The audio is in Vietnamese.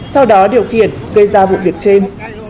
sau đó điều khiển gây ra vụ việc trên